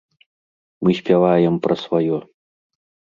Мы спяваем пра сваё.